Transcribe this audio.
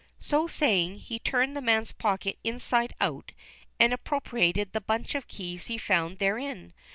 So saying, he turned the man's pocket inside out and appropriated the bunch of keys he found therein.